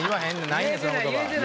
ないねんその言葉。